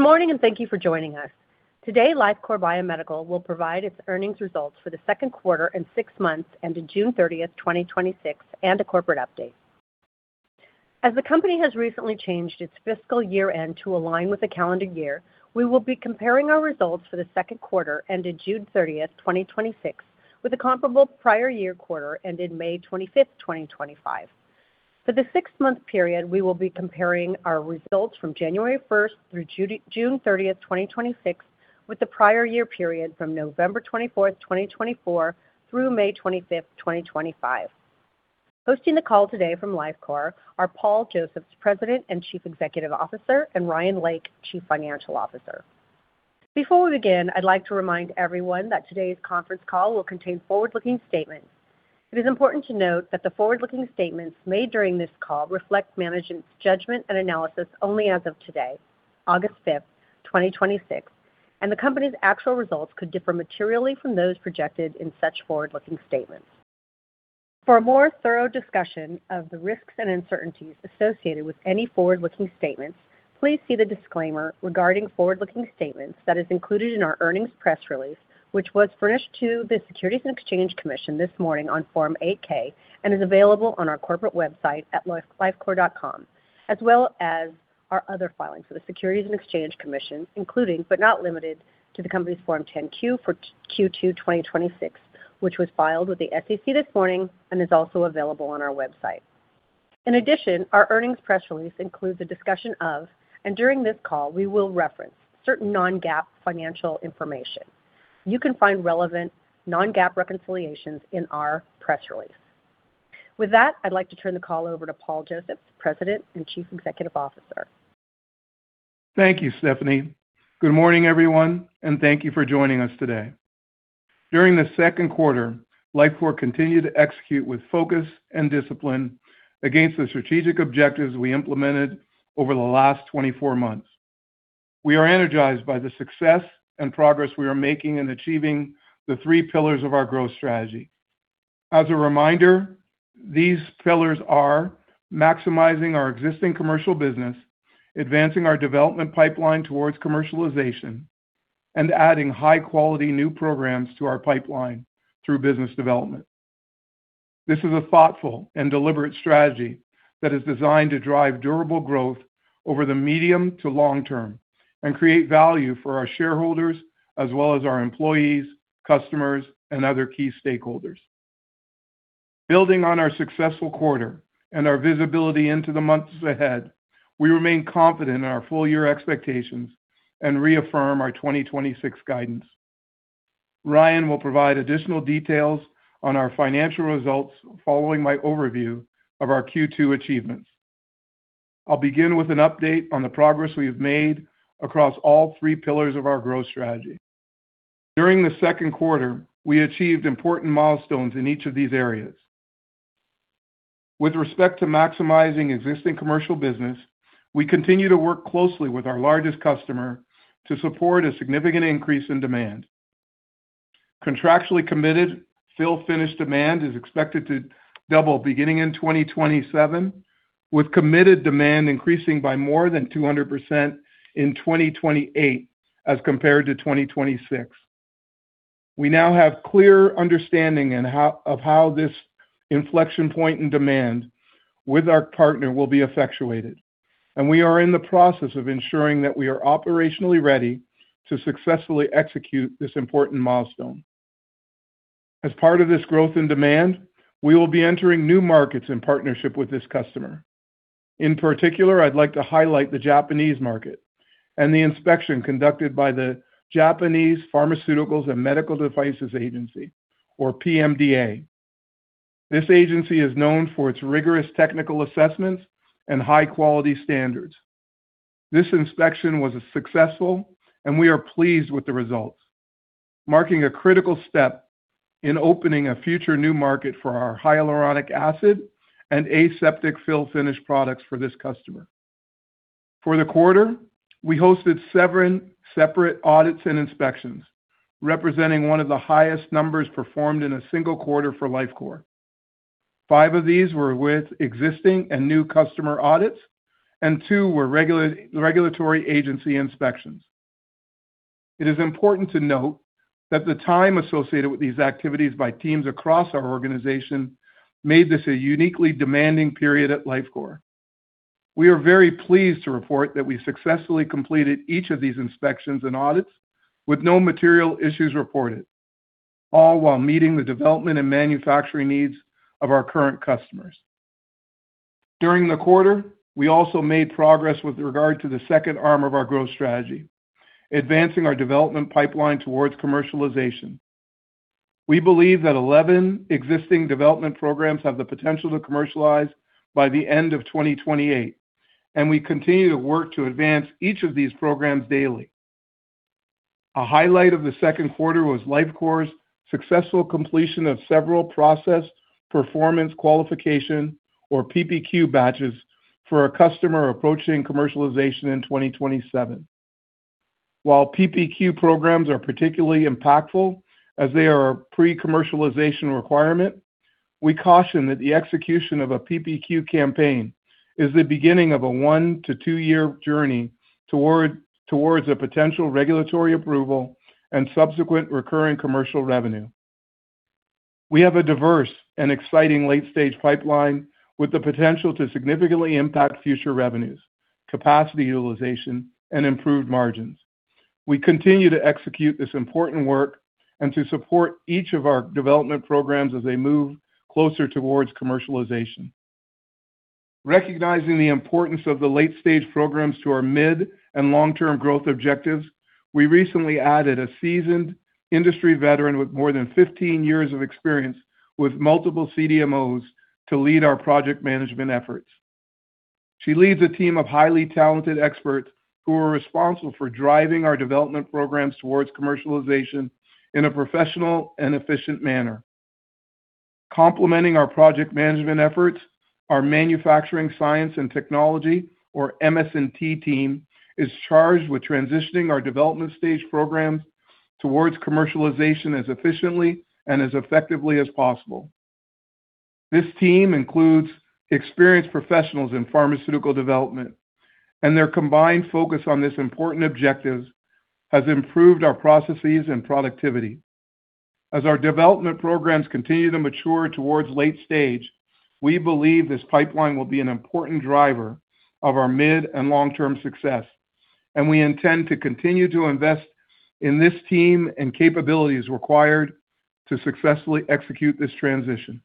Good morning, and thank you for joining us. Today, Lifecore Biomedical will provide its earnings results for the second quarter and six months ended June 30th, 2026, and a corporate update. As the company has recently changed its fiscal year-end to align with the calendar year, we will be comparing our results for the second quarter ended June 30th, 2026, with the comparable prior year quarter ended May 25th, 2025. For the six-month period, we will be comparing our results from January 1st through June 30th, 2026, with the prior year period from November 24th, 2024 through May 25th, 2025. Posting the call today from Lifecore are Paul Josephs, President and Chief Executive Officer, and Ryan Lake, Chief Financial Officer. Before we begin, I'd like to remind everyone that today's conference call will contain forward-looking statements. It is important to note that the forward-looking statements made during this call reflect management's judgment and analysis only as of today, August 5th, 2026, and the company's actual results could differ materially from those projected in such forward-looking statements. For a more thorough discussion of the risks and uncertainties associated with any forward-looking statements, please see the disclaimer regarding forward-looking statements that is included in our earnings press release, which was furnished to the Securities and Exchange Commission this morning on Form 8-K and is available on our corporate website at lifecore.com, as well as our other filings for the Securities and Exchange Commission, including but not limited to the company's Form 10-Q for Q2 2026, which was filed with the SEC this morning and is also available on our website. In addition, our earnings press release includes a discussion of, and during this call, we will reference certain non-GAAP financial information. You can find relevant non-GAAP reconciliations in our press release. With that, I'd like to turn the call over to Paul Josephs, President and Chief Executive Officer. Thank you, Stephanie. Good morning, everyone, and thank you for joining us today. During the second quarter, Lifecore continued to execute with focus and discipline against the strategic objectives we implemented over the last 24 months. We are energized by the success and progress we are making in achieving the three pillars of our growth strategy. As a reminder, these pillars are maximizing our existing commercial business, advancing our development pipeline towards commercialization, and adding high-quality new programs to our pipeline through business development. This is a thoughtful and deliberate strategy that is designed to drive durable growth over the medium to long term and create value for our shareholders as well as our employees, customers, and other key stakeholders. Building on our successful quarter and our visibility into the months ahead, we remain confident in our full-year expectations and reaffirm our 2026 guidance. Ryan will provide additional details on our financial results following my overview of our Q2 achievements. I'll begin with an update on the progress we have made across all three pillars of our growth strategy. During the second quarter, we achieved important milestones in each of these areas. With respect to maximizing existing commercial business, we continue to work closely with our largest customer to support a significant increase in demand. Contractually committed fill-finish demand is expected to double beginning in 2027, with committed demand increasing by more than 200% in 2028 as compared to 2026. We now have clear understanding of how this inflection point in demand with our partner will be effectuated, and we are in the process of ensuring that we are operationally ready to successfully execute this important milestone. As part of this growth in demand, we will be entering new markets in partnership with this customer. In particular, I'd like to highlight the Japanese market and the inspection conducted by the Japanese Pharmaceuticals and Medical Devices Agency, or PMDA. This agency is known for its rigorous technical assessments and high-quality standards. This inspection was successful, and we are pleased with the results, marking a critical step in opening a future new market for our hyaluronic acid and aseptic fill finish products for this customer. For the quarter, we hosted seven separate audits and inspections, representing one of the highest numbers performed in a single quarter for Lifecore. Five of these were with existing and new customer audits, and two were regulatory agency inspections. It is important to note that the time associated with these activities by teams across our organization made this a uniquely demanding period at Lifecore. We are very pleased to report that we successfully completed each of these inspections and audits with no material issues reported, all while meeting the development and manufacturing needs of our current customers. During the quarter, we also made progress with regard to the second arm of our growth strategy, advancing our development pipeline towards commercialization. We believe that 11 existing development programs have the potential to commercialize by the end of 2028, and we continue to work to advance each of these programs daily. A highlight of the second quarter was Lifecore's successful completion of several process performance qualification, or PPQ batches for a customer approaching commercialization in 2027. While PPQ programs are particularly impactful as they are a pre-commercialization requirement, we caution that the execution of a PPQ campaign is the beginning of a one to two-year journey towards a potential regulatory approval and subsequent recurring commercial revenue. We have a diverse and exciting late-stage pipeline with the potential to significantly impact future revenues, capacity utilization, and improved margins. We continue to execute this important work and to support each of our development programs as they move closer towards commercialization. Recognizing the importance of the late-stage programs to our mid and long-term growth objectives, we recently added a seasoned industry veteran with more than 15 years of experience with multiple CDMOs to lead our project management efforts. She leads a team of highly talented experts who are responsible for driving our development programs towards commercialization in a professional and efficient manner. Complementing our project management efforts, our manufacturing science and technology, or MS&T team, is charged with transitioning our development stage programs towards commercialization as efficiently and as effectively as possible. This team includes experienced professionals in pharmaceutical development, and their combined focus on this important objective has improved our processes and productivity. As our development programs continue to mature towards late-stage, we believe this pipeline will be an important driver of our mid- and long-term success, and we intend to continue to invest in this team and capabilities required to successfully execute this transition.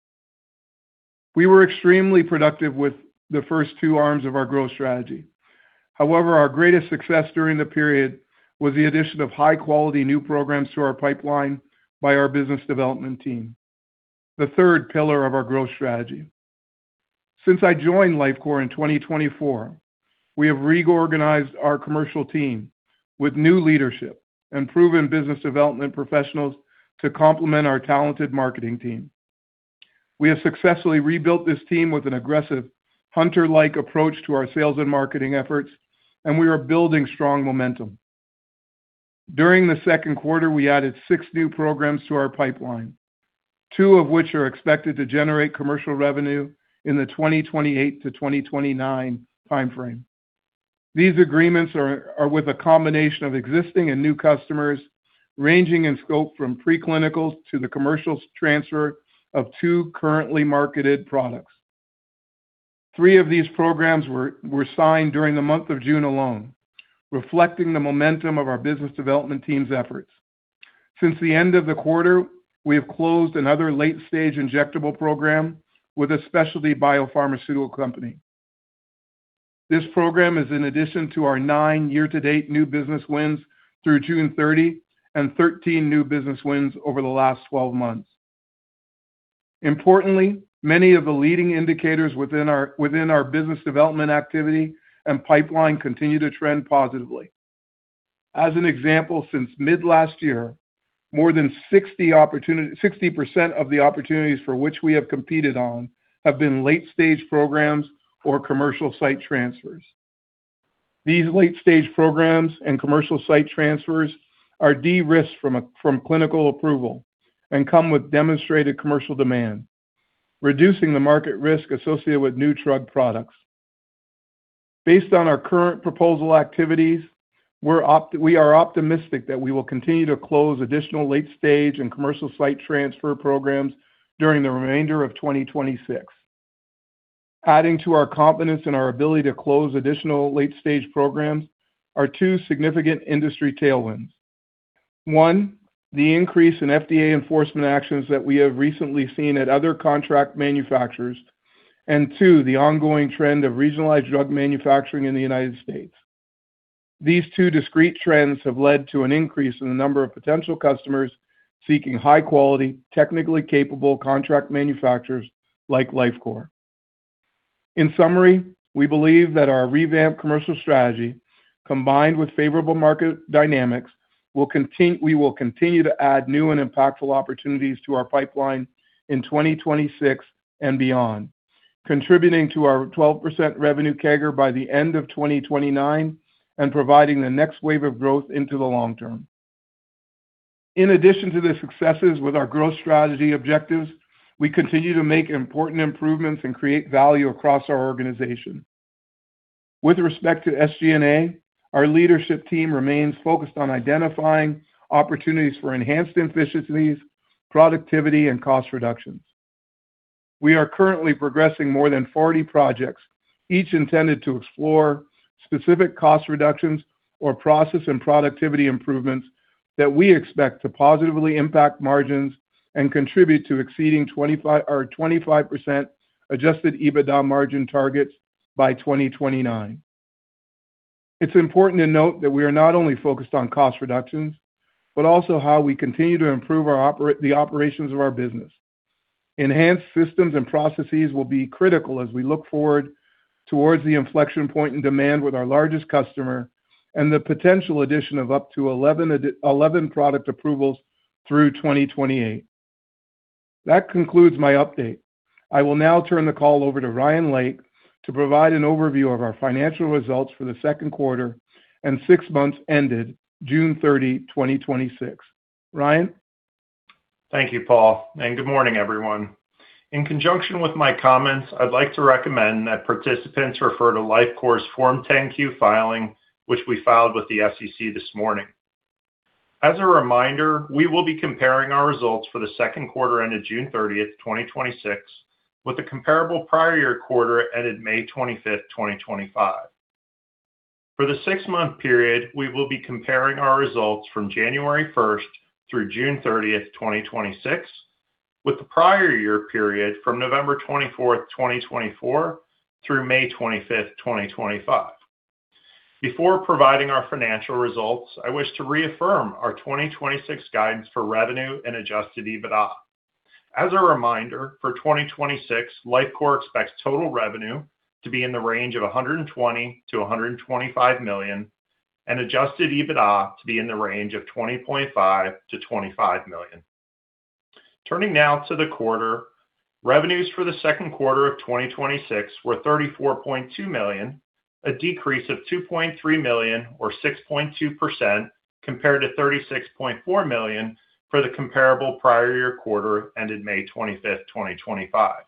We were extremely productive with the first two arms of our growth strategy. Our greatest success during the period was the addition of high-quality new programs to our pipeline by our business development team, the third pillar of our growth strategy. Since I joined Lifecore in 2024, we have reorganized our commercial team with new leadership and proven business development professionals to complement our talented marketing team. We have successfully rebuilt this team with an aggressive hunter-like approach to our sales and marketing efforts, and we are building strong momentum. During the second quarter, we added six new programs to our pipeline, two of which are expected to generate commercial revenue in the 2028-2029 timeframe. These agreements are with a combination of existing and new customers, ranging in scope from pre-clinical to the commercial transfer of two currently marketed products. Three of these programs were signed during the month of June alone, reflecting the momentum of our business development team's efforts. Since the end of the quarter, we have closed another late-stage injectable program with a specialty biopharmaceutical company. This program is in addition to our nine year-to-date new business wins through June 30 and 13 new business wins over the last 12 months. Importantly, many of the leading indicators within our business development activity and pipeline continue to trend positively. As an example, since mid-last year, more than 60% of the opportunities for which we have competed on have been late-stage programs or commercial site transfers. These late-stage programs and commercial site transfers are de-risked from clinical approval and come with demonstrated commercial demand, reducing the market risk associated with new drug products. Based on our current proposal activities, we are optimistic that we will continue to close additional late-stage and commercial site transfer programs during the remainder of 2026. Adding to our confidence in our ability to close additional late-stage programs are two significant industry tailwinds. One, the increase in FDA enforcement actions that we have recently seen at other contract manufacturers, and two, the ongoing trend of regionalized drug manufacturing in the U.S. These two discrete trends have led to an increase in the number of potential customers seeking high-quality, technically capable contract manufacturers like Lifecore. In summary, we believe that our revamped commercial strategy, combined with favorable market dynamics, we will continue to add new and impactful opportunities to our pipeline in 2026 and beyond, contributing to our 12% revenue CAGR by the end of 2029 and providing the next wave of growth into the long term. In addition to the successes with our growth strategy objectives, we continue to make important improvements and create value across our organization. With respect to SG&A, our leadership team remains focused on identifying opportunities for enhanced efficiencies, productivity, and cost reductions. We are currently progressing more than 40 projects, each intended to explore specific cost reductions or process and productivity improvements that we expect to positively impact margins and contribute to exceeding our 25% adjusted EBITDA margin targets by 2029. It is important to note that we are not only focused on cost reductions, but also how we continue to improve the operations of our business. Enhanced systems and processes will be critical as we look forward towards the inflection point in demand with our largest customer and the potential addition of up to 11 product approvals through 2028. That concludes my update. I will now turn the call over to Ryan Lake to provide an overview of our financial results for the second quarter and six months ended June 30, 2026. Ryan? Thank you, Paul, and good morning, everyone. In conjunction with my comments, I would like to recommend that participants refer to Lifecore's Form 10-Q filing, which we filed with the SEC this morning. As a reminder, we will be comparing our results for the second quarter ended June 30th, 2026 with the comparable prior year quarter ended May 25th, 2025. For the six-month period, we will be comparing our results from January 1st through June 30th, 2026 with the prior year period from November 24th, 2024 through May 25th, 2025. Before providing our financial results, I wish to reaffirm our 2026 guidance for revenue and adjusted EBITDA. As a reminder, for 2026, Lifecore expects total revenue to be in the range of $120 million-$125 million, and adjusted EBITDA to be in the range of $20.5 million-$25 million. Turning now to the quarter, revenues for the second quarter of 2026 were $34.2 million, a decrease of $2.3 million or 6.2% compared to $36.4 million for the comparable prior year quarter ended May 25th, 2025.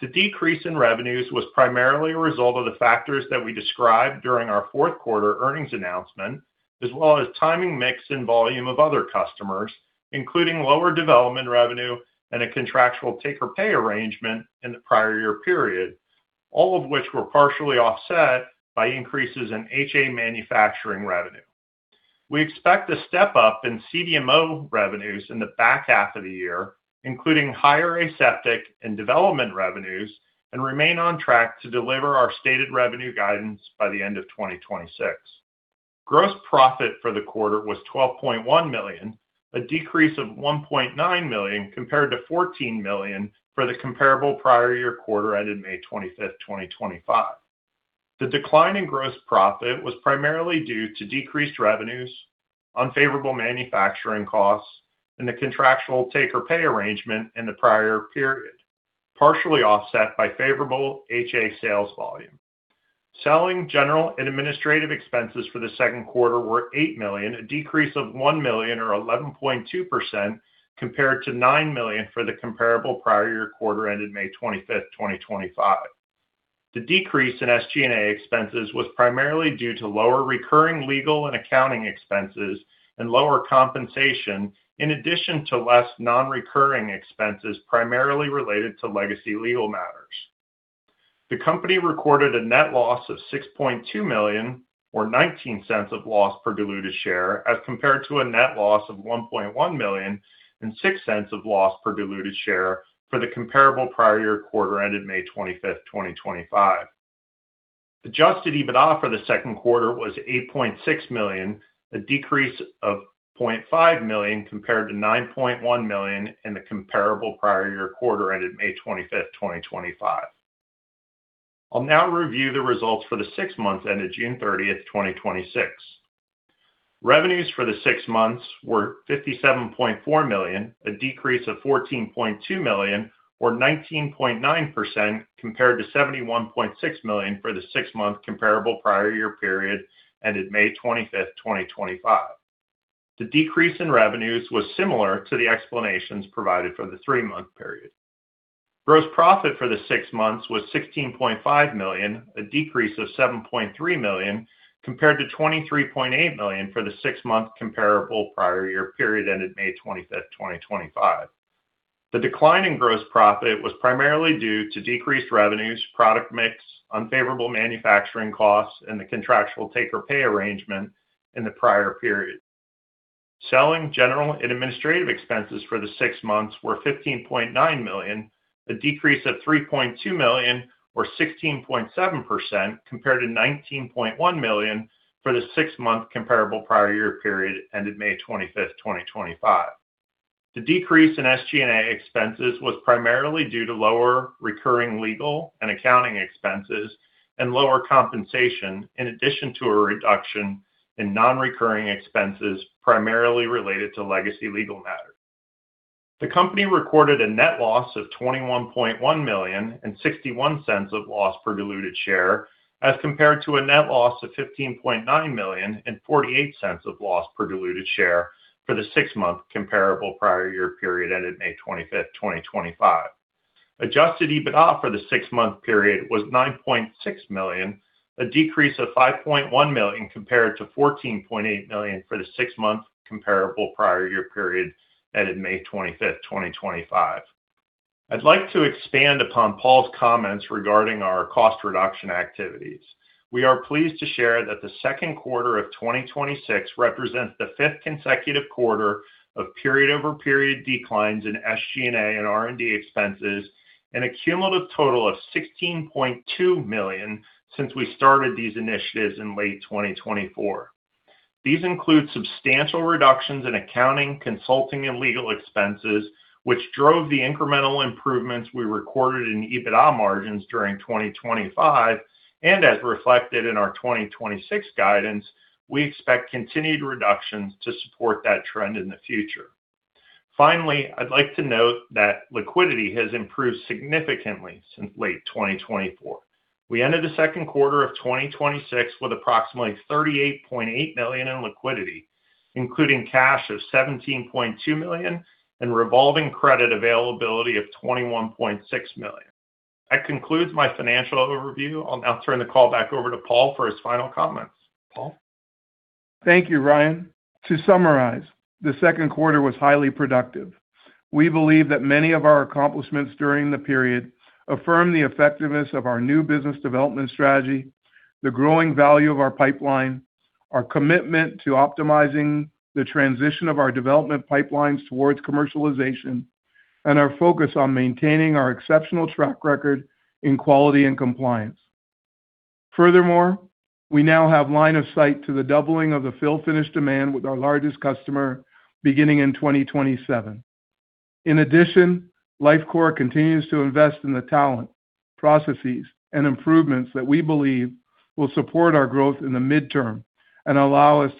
The decrease in revenues was primarily a result of the factors that we described during our fourth quarter earnings announcement, as well as timing, mix, and volume of other customers, including lower development revenue and a contractual take-or-pay arrangement in the prior year period, all of which were partially offset by increases in HA manufacturing revenue. We expect a step-up in CDMO revenues in the back half of the year, including higher aseptic and development revenues, and remain on track to deliver our stated revenue guidance by the end of 2026. Gross profit for the quarter was $12.1 million, a decrease of $1.9 million compared to $14 million for the comparable prior year quarter ended May 25th, 2025. The decline in gross profit was primarily due to decreased revenues, unfavorable manufacturing costs, and the contractual take-or-pay arrangement in the prior period, partially offset by favorable HA sales volume. Selling, general, and administrative expenses for the second quarter were $8 million, a decrease of $1 million or 11.2% compared to $9 million for the comparable prior year quarter ended May 25th, 2025. The decrease in SG&A expenses was primarily due to lower recurring legal and accounting expenses and lower compensation, in addition to less non-recurring expenses primarily related to legacy legal matters. The company recorded a net loss of $6.2 million, or $0.19 of loss per diluted share, as compared to a net loss of $1.1 million and $0.06 of loss per diluted share for the comparable prior year quarter ended May 25th, 2025. Adjusted EBITDA for the second quarter was $8.6 million, a decrease of $0.5 million compared to $9.1 million in the comparable prior year quarter ended May 25th, 2025. I'll now review the results for the six months ended June 30th, 2026. Revenues for the six months were $57.4 million, a decrease of $14.2 million or 19.9% compared to $71.6 million for the six-month comparable prior year period ended May 25th, 2025. The decrease in revenues was similar to the explanations provided for the three-month period. Gross profit for the six months was $16.5 million, a decrease of $7.3 million compared to $23.8 million for the six-month comparable prior year period ended May 25th, 2025. The decline in gross profit was primarily due to decreased revenues, product mix, unfavorable manufacturing costs, and the contractual take-or-pay arrangement in the prior period. Selling, general, and administrative expenses for the six months were $15.9 million, a decrease of $3.2 million or 16.7% compared to $19.1 million for the six-month comparable prior year period ended May 25th, 2025. The decrease in SG&A expenses was primarily due to lower recurring legal and accounting expenses and lower compensation, in addition to a reduction in non-recurring expenses primarily related to legacy legal matters. The company recorded a net loss of $21.1 million and $0.61 of loss per diluted share as compared to a net loss of $15.9 million and $0.48 of loss per diluted share for the six-month comparable prior year period ended May 25th, 2025. Adjusted EBITDA for the six-month period was $9.6 million, a decrease of $5.1 million compared to $14.8 million for the six-month comparable prior year period ended May 25th, 2025. I'd like to expand upon Paul's comments regarding our cost reduction activities. We are pleased to share that the second quarter of 2026 represents the fifth consecutive quarter of period-over-period declines in SG&A and R&D expenses, and a cumulative total of $16.2 million since we started these initiatives in late 2024. These include substantial reductions in accounting, consulting, and legal expenses, which drove the incremental improvements we recorded in EBITDA margins during 2025, and as reflected in our 2026 guidance, we expect continued reductions to support that trend in the future. Finally, I'd like to note that liquidity has improved significantly since late 2024. We ended the second quarter of 2026 with approximately $38.8 million in liquidity, including cash of $17.2 million and revolving credit availability of $21.6 million. That concludes my financial overview. I'll now turn the call back over to Paul for his final comments. Paul? Thank you, Ryan. To summarize, the second quarter was highly productive. We believe that many of our accomplishments during the period affirm the effectiveness of our new business development strategy, the growing value of our pipeline, our commitment to optimizing the transition of our development pipelines towards commercialization, and our focus on maintaining our exceptional track record in quality and compliance. Furthermore, we now have line of sight to the doubling of the fill finish demand with our largest customer beginning in 2027. In addition, Lifecore continues to invest in the talent, processes, and improvements that we believe will support our growth in the midterm and allow us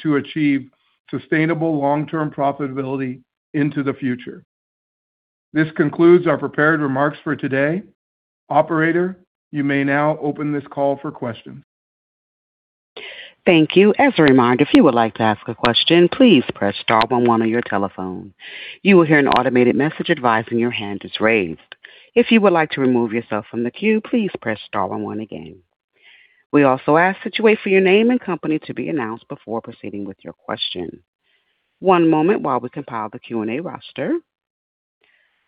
to achieve sustainable long-term profitability into the future. This concludes our prepared remarks for today. Operator, you may now open this call for questions. Thank you. As a reminder, if you would like to ask a question, please press star one one on your telephone. You will hear an automated message advising your hand is raised. If you would like to remove yourself from the queue, please press star one one again. We also ask that you wait for your name and company to be announced before proceeding with your question. One moment while we compile the Q&A roster.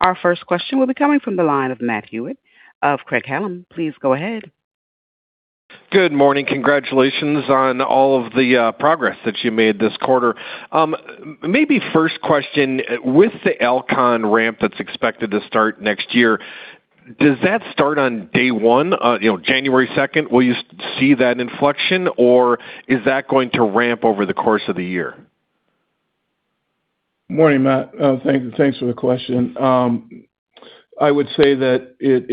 Our first question will be coming from the line of Matt Hewitt of Craig-Hallum. Please go ahead. Good morning. Congratulations on all of the progress that you made this quarter. Maybe first question, with the Alcon ramp that's expected to start next year, does that start on day one, January 2nd? Will you see that inflection, or is that going to ramp over the course of the year? Morning, Matt. Thanks for the question. I would say that it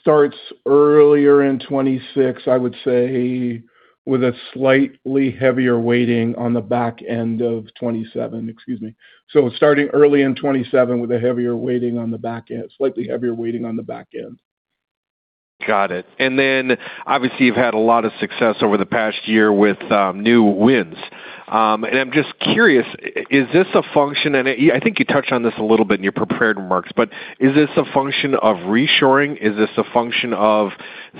starts earlier in 2026, I would say, with a slightly heavier weighting on the back end of 2027. Excuse me. Starting early in 2027 with a slightly heavier weighting on the back end. Got it. Obviously, you've had a lot of success over the past year with new wins. I'm just curious, I think you touched on this a little bit in your prepared remarks, is this a function of reshoring? Is this a function of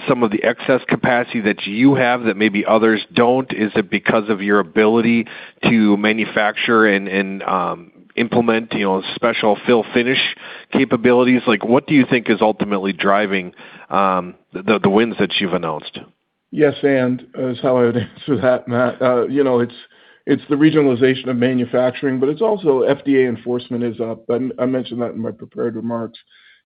some of the excess capacity that you have that maybe others don't? Is it because of your ability to manufacture and implement special fill finish capabilities? What do you think is ultimately driving the wins that you've announced? Yes, is how I would answer that, Matt. It's the regionalization of manufacturing, it's also FDA enforcement is up, I mentioned that in my prepared remarks.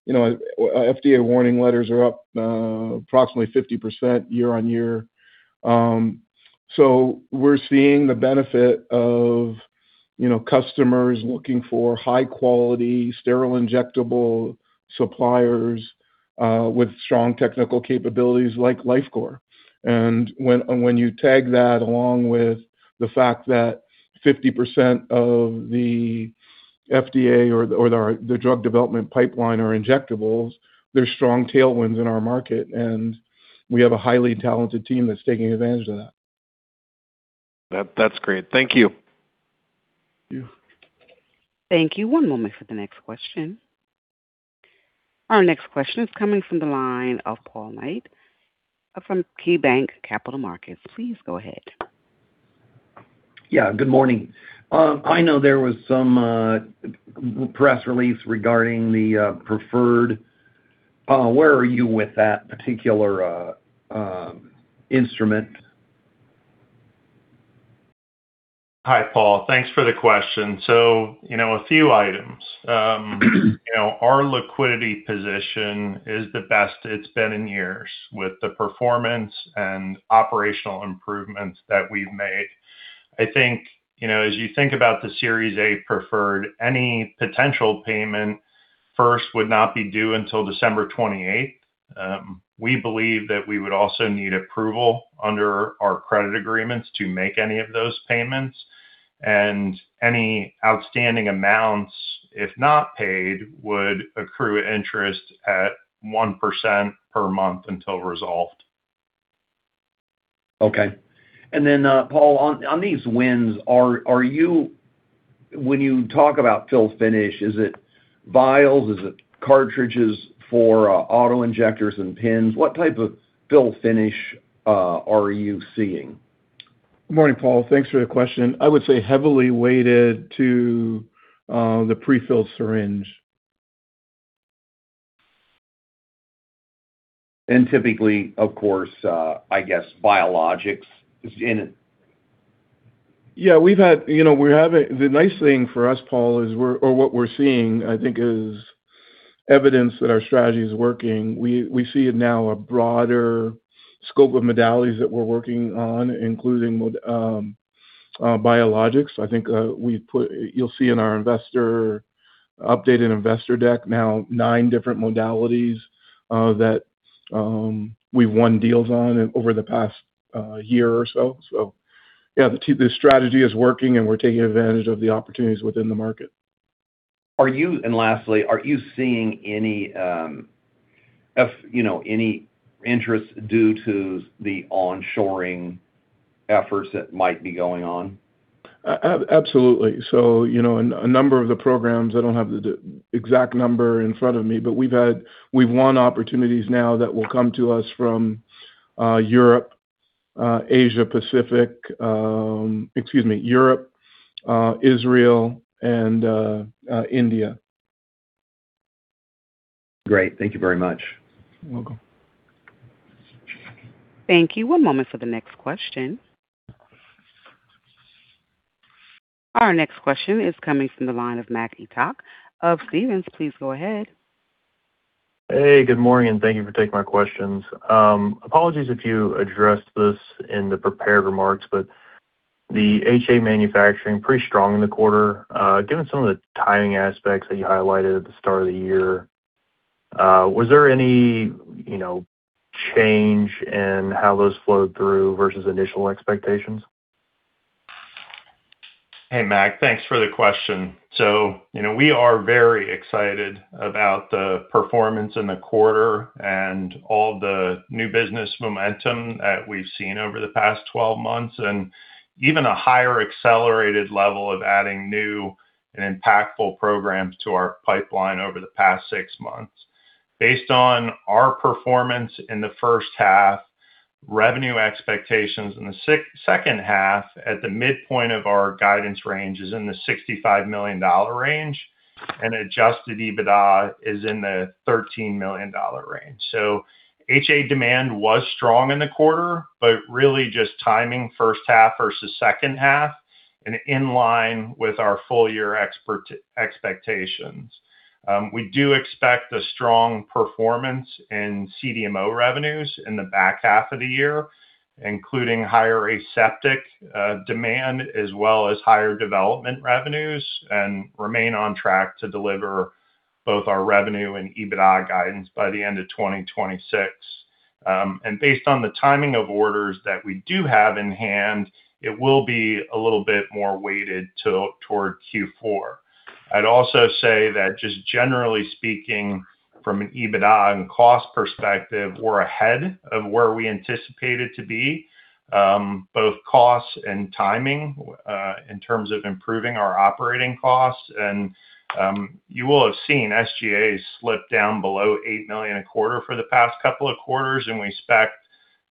FDA warning letters are up approximately 50% year-over-year. We're seeing the benefit of customers looking for high-quality sterile injectable suppliers with strong technical capabilities like Lifecore. When you tag that along with the fact that 50% of the FDA or the drug development pipeline are injectables, they're strong tailwinds in our market, we have a highly talented team that's taking advantage of that. That's great. Thank you. Yeah. Thank you. One moment for the next question. Our next question is coming from the line of Paul Knight from KeyBanc Capital Markets. Please go ahead. Yeah, good morning. I know there was some press release regarding the preferred. Paul, where are you with that particular instrument? Hi, Paul. Thanks for the question. A few items. Our liquidity position is the best it's been in years with the performance and operational improvements that we've made. I think as you think about the Series A preferred, any potential payment first would not be due until December 28th. We believe that we would also need approval under our credit agreements to make any of those payments, and any outstanding amounts, if not paid, would accrue interest at 1% per month until resolved. Okay. Paul, on these wins, when you talk about fill finish, is it vials? Is it cartridges for auto-injectors and pins? What type of fill finish are you seeing? Good morning, Paul. Thanks for the question. I would say heavily weighted to the prefill syringe. Typically, of course, I guess biologics is in it. Yeah. The nice thing for us, Paul, or what we're seeing, I think, is evidence that our strategy is working. We see it now a broader scope of modalities that we're working on, including biologics. I think you'll see in our investor updated investor deck now nine different modalities that we've won deals on over the past year or so. Yeah, the strategy is working, and we're taking advantage of the opportunities within the market. Lastly, are you seeing any interest due to the onshoring efforts that might be going on? Absolutely. A number of the programs, I don't have the exact number in front of me, but we've won opportunities now that will come to us from Europe, Asia Pacific, excuse me, Europe, Israel and India. Great. Thank you very much. You're welcome. Thank you. One moment for the next question. Our next question is coming from the line of Mac Etoch of Stephens. Please go ahead. Hey, good morning, and thank you for taking my questions. Apologies if you addressed this in the prepared remarks, but the HA manufacturing pretty strong in the quarter. Given some of the timing aspects that you highlighted at the start of the year, was there any change in how those flowed through versus initial expectations? Hey, Mac. Thanks for the question. We are very excited about the performance in the quarter and all the new business momentum that we've seen over the past 12 months, and even a higher accelerated level of adding new and impactful programs to our pipeline over the past six months. Based on our performance in the first half, revenue expectations in the second half, at the midpoint of our guidance range, is in the $65 million range, and adjusted EBITDA is in the $13 million range. HA demand was strong in the quarter, but really just timing first half versus second half and in line with our full year expectations. We do expect a strong performance in CDMO revenues in the back half of the year, including higher aseptic demand as well as higher development revenues, and remain on track to deliver both our revenue and EBITDA guidance by the end of 2026. Based on the timing of orders that we do have in hand, it will be a little bit more weighted toward Q4. I'd also say that just generally speaking from an EBITDA and cost perspective, we're ahead of where we anticipated to be, both costs and timing, in terms of improving our operating costs. You will have seen SG&A slip down below $8 million a quarter for the past couple of quarters, and we expect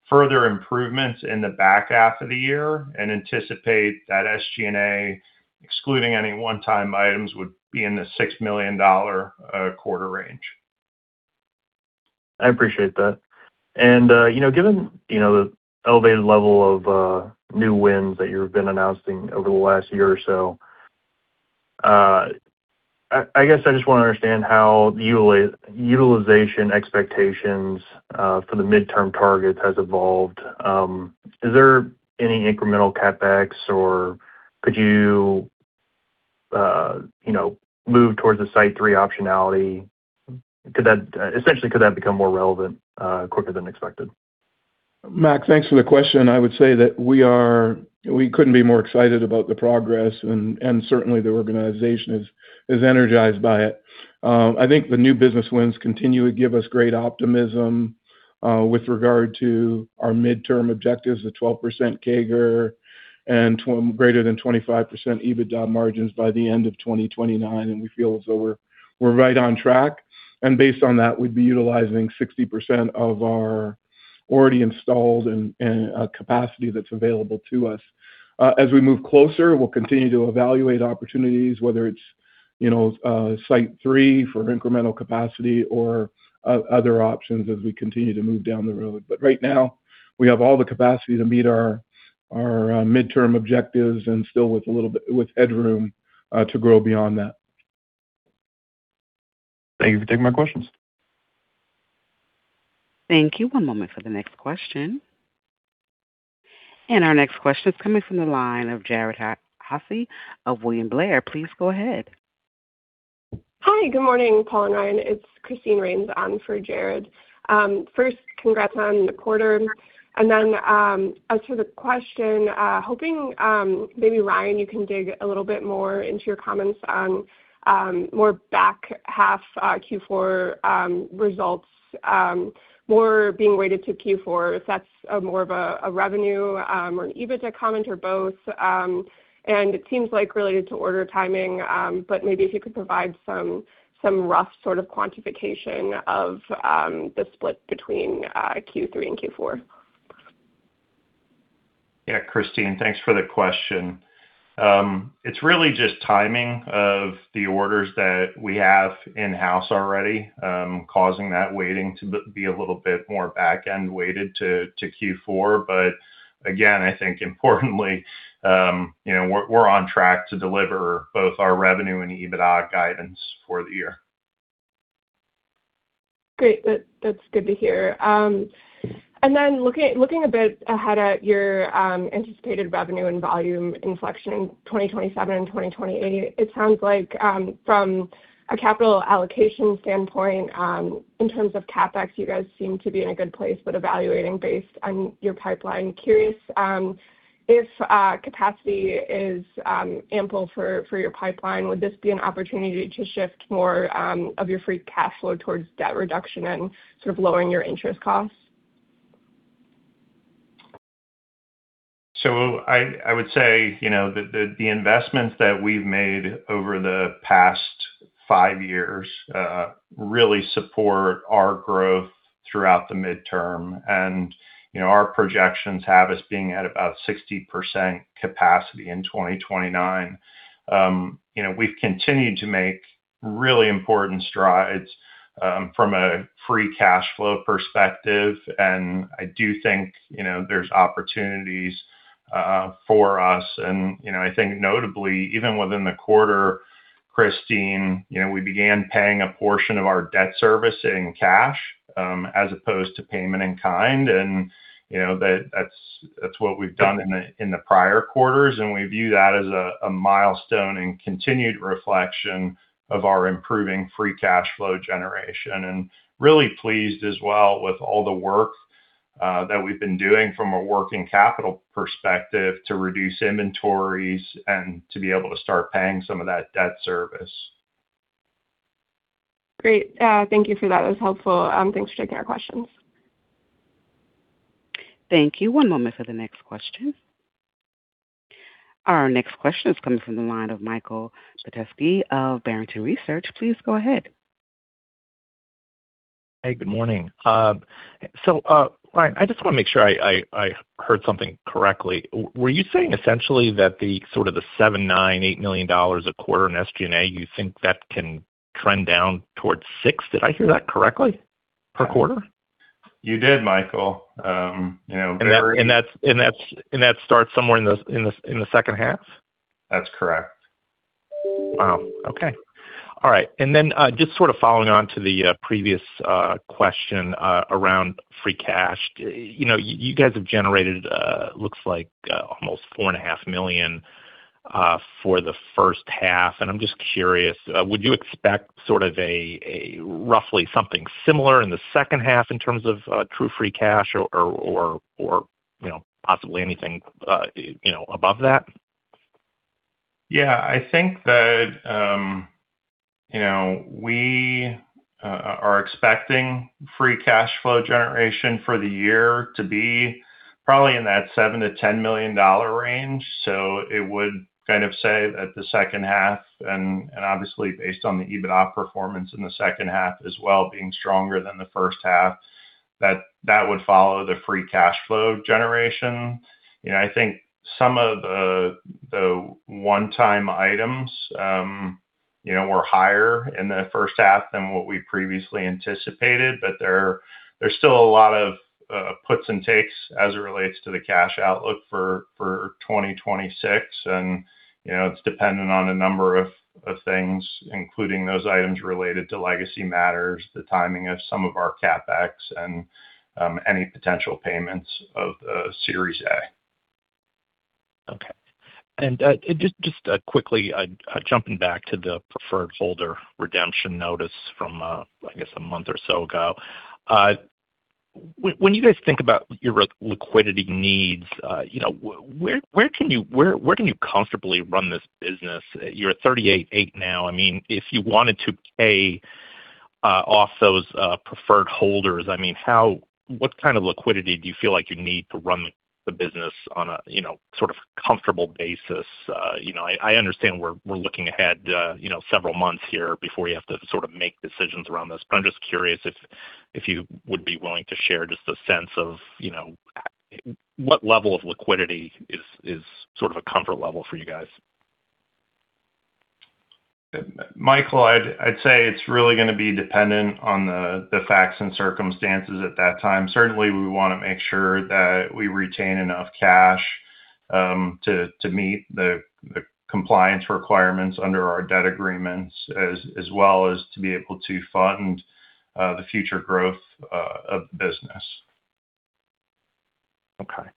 further improvements in the back half of the year and anticipate that SG&A, excluding any one-time items, would be in the $6 million quarter range. I appreciate that. Given the elevated level of new wins that you've been announcing over the last year or so, I guess I just want to understand how utilization expectations for the midterm targets has evolved. Is there any incremental CapEx or could you move towards the Site 3 optionality? Essentially, could that become more relevant quicker than expected? Mac, thanks for the question. I would say that we couldn't be more excited about the progress, and certainly the organization is energized by it. I think the new business wins continue to give us great optimism with regard to our midterm objectives, the 12% CAGR and greater than 25% EBITDA margins by the end of 2029, and we feel as though we're right on track. Based on that, we'd be utilizing 60% of our already installed and capacity that's available to us. As we move closer, we'll continue to evaluate opportunities, whether it's Site 3 for incremental capacity or other options as we continue to move down the road. Right now, we have all the capacity to meet our midterm objectives and still with headroom to grow beyond that. Thank you for taking my questions. Thank you. One moment for the next question. Our next question is coming from the line of Jared Haase of William Blair. Please go ahead. Hi, good morning, Paul and Ryan. It's Christine Rains on for Jared. First, congrats on the quarter. As for the question, hoping maybe Ryan, you can dig a little bit more into your comments on more back half Q4 results, more being weighted to Q4, if that's more of a revenue or an EBITDA comment or both. It seems like related to order timing, but maybe if you could provide some rough sort of quantification of the split between Q3 and Q4. Yeah, Christine, thanks for the question. It's really just timing of the orders that we have in-house already, causing that waiting to be a little bit more back-end weighted to Q4. Again, I think importantly, we're on track to deliver both our revenue and EBITDA guidance for the year. Great. That's good to hear. Looking a bit ahead at your anticipated revenue and volume inflection in 2027 and 2028, it sounds like from a capital allocation standpoint, in terms of CapEx, you guys seem to be in a good place with evaluating based on your pipeline. Curious if capacity is ample for your pipeline, would this be an opportunity to shift more of your free cash flow towards debt reduction and sort of lowering your interest costs? I would say the investments that we've made over the past five years really support our growth throughout the midterm. Our projections have us being at about 60% capacity in 2029. We've continued to make really important strides from a free cash flow perspective, and I do think there's opportunities for us. I think notably, even within the quarter, Christine, we began paying a portion of our debt service in cash, as opposed to payment in kind. That's what we've done in the prior quarters, and we view that as a milestone and continued reflection of our improving free cash flow generation. Really pleased as well with all the work that we've been doing from a working capital perspective to reduce inventories and to be able to start paying some of that debt service. Great. Thank you for that. That was helpful. Thanks for taking our questions. Thank you. One moment for the next question. Our next question is coming from the line of Michael Petusky of Barrington Research. Please go ahead. Hey, good morning. Ryan, I just want to make sure I heard something correctly. Were you saying essentially that the sort of the $7 million, $9 million, $8 million a quarter in SG&A, you think that can trend down towards $6 million? Did I hear that correctly? Per quarter? You did, Michael. That starts somewhere in the second half? That's correct. Wow, okay. All right. Just sort of following on to the previous question around free cash. You guys have generated, looks like almost $4.5 million for the first half, and I'm just curious, would you expect sort of roughly something similar in the second half in terms of true free cash or possibly anything above that? I think that we are expecting free cash flow generation for the year to be probably in that $7 million-$10 million range. It would kind of say that the second half, and obviously based on the EBITDA performance in the second half as well being stronger than the first half, that that would follow the free cash flow generation. I think some of the one-time items were higher in the first half than what we previously anticipated. There's still a lot of puts and takes as it relates to the cash outlook for 2026. It's dependent on a number of things, including those items related to legacy matters, the timing of some of our CapEx, and any potential payments of Series A. Okay. Just quickly, jumping back to the preferred holder redemption notice from, I guess, a month or so ago. When you guys think about your liquidity needs, where can you comfortably run this business? You're at $38.8 million now. If you wanted to pay off those preferred holders, what kind of liquidity do you feel like you need to run the business on a sort of comfortable basis? I understand we're looking ahead several months here before you have to sort of make decisions around this, I'm just curious if you would be willing to share just a sense of what level of liquidity is sort of a comfort level for you guys. Michael, I'd say it's really going to be dependent on the facts and circumstances at that time. Certainly, we want to make sure that we retain enough cash to meet the compliance requirements under our debt agreements, as well as to be able to fund the future growth of the business. Okay.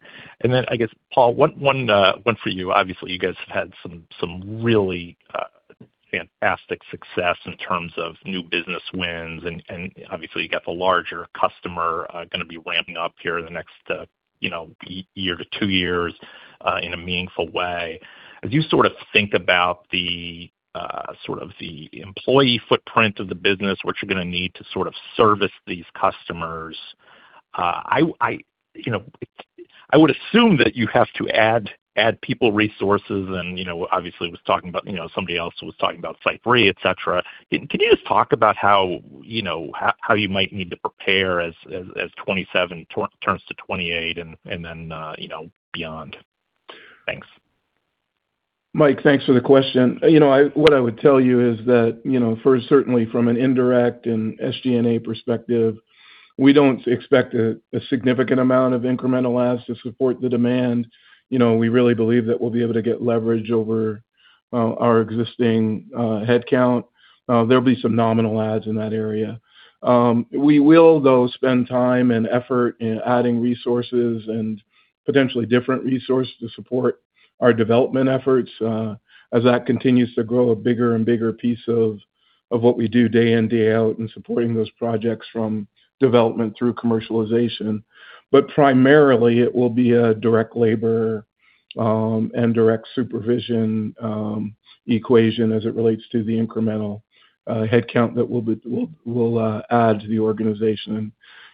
I guess, Paul, one for you. Obviously, you guys have had some really fantastic success in terms of new business wins and obviously you got the larger customer going to be ramping up here in the next year to two years in a meaningful way. As you sort of think about the employee footprint of the business, what you're going to need to sort of service these customers, I would assume that you have to add people resources and obviously somebody else was talking about Site 3, et cetera. Can you just talk about how you might need to prepare as 2027 turns to 2028 and then beyond? Thanks. Mike, thanks for the question. What I would tell you is that first, certainly from an indirect and SG&A perspective, we don't expect a significant amount of incremental adds to support the demand. We really believe that we'll be able to get leverage over our existing headcount. There'll be some nominal adds in that area. We will, though, spend time and effort in adding resources and potentially different resources to support our development efforts as that continues to grow a bigger and bigger piece of what we do day in, day out in supporting those projects from development through commercialization. Primarily, it will be a direct labor and direct supervision equation as it relates to the incremental headcount that we'll add to the organization.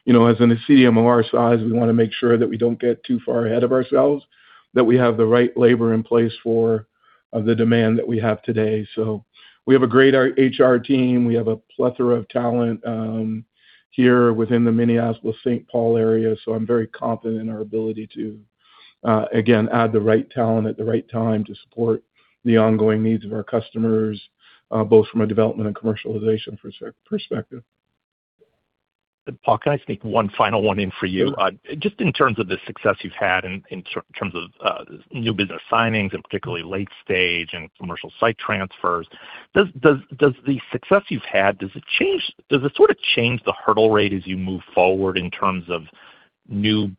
As a CDMO of our size, we want to make sure that we don't get too far ahead of ourselves, that we have the right labor in place for the demand that we have today. We have a great HR team. We have a plethora of talent here within the Minneapolis-Saint Paul area. I'm very confident in our ability to, again, add the right talent at the right time to support the ongoing needs of our customers, both from a development and commercialization perspective. Paul, can I sneak one final one in for you? Sure. Just in terms of the success you've had in terms of new business signings and particularly late-stage and commercial site transfers, does the success you've had, does it sort of change the hurdle rate as you move forward in terms of new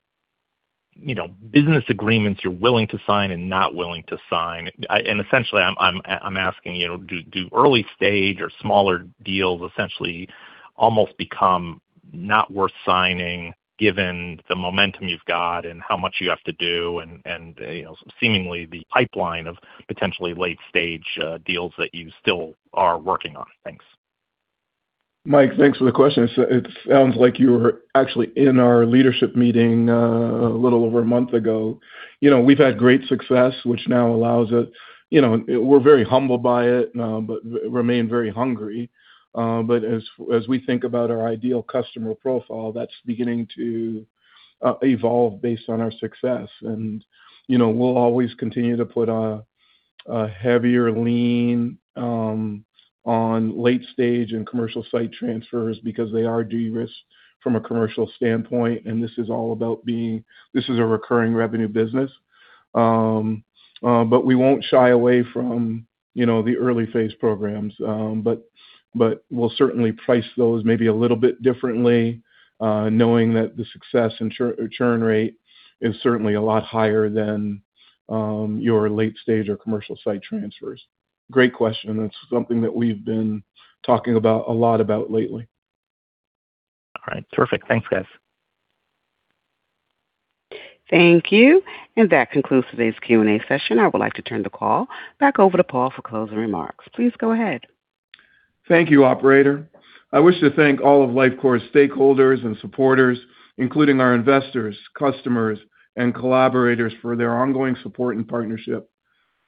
business agreements you're willing to sign and not willing to sign? Essentially, I'm asking you, do early-stage or smaller deals essentially almost become not worth signing given the momentum you've got and how much you have to do and seemingly the pipeline of potentially late-stage deals that you still are working on? Thanks. Mike, thanks for the question. It sounds like you were actually in our leadership meeting a little over a month ago. We've had great success, which now we're very humbled by it, but remain very hungry. As we think about our ideal customer profile, that's beginning to evolve based on our success. We'll always continue to put a heavier lean on late-stage and commercial site transfers because they are de-risked from a commercial standpoint, and this is all about This is a recurring revenue business. We won't shy away from the early-phase programs. We'll certainly price those maybe a little bit differently, knowing that the success and churn rate is certainly a lot higher than your late-stage or commercial site transfers. Great question. It's something that we've been talking a lot about lately. All right. Terrific. Thanks, guys. Thank you. That concludes today's Q&A session. I would like to turn the call back over to Paul for closing remarks. Please go ahead. Thank you, operator. I wish to thank all of Lifecore's stakeholders and supporters, including our investors, customers, and collaborators for their ongoing support and partnership.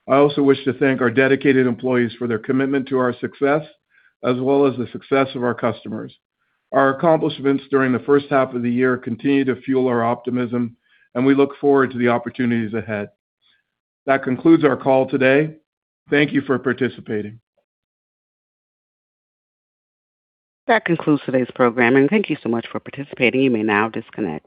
I also wish to thank our dedicated employees for their commitment to our success, as well as the success of our customers. Our accomplishments during the first half of the year continue to fuel our optimism. We look forward to the opportunities ahead. That concludes our call today. Thank you for participating. That concludes today's program. Thank you so much for participating. You may now disconnect.